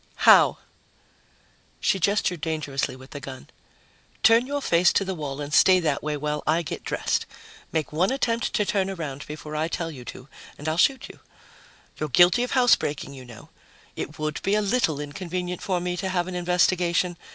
"How?" She gestured dangerously with the gun. "Turn your face to the wall and stay that way while I get dressed. Make one attempt to turn around before I tell you to and I'll shoot you. You're guilty of housebreaking, you know. It would be a little inconvenient for me to have an investigation